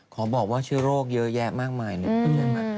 ขอบอกว่าเชื้อโรคเยอะแยะมากมายนิดนึง